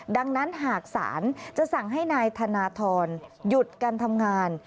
ดังนั้นหากศาลจะสั่งให้นายธนทรหยุดการทำงาน